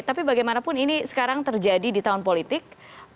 tapi bagaimanapun ini sekarang terjadi di tahun politik